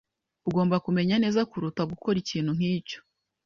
Ugomba kumenya neza kuruta gukora ikintu nkicyo.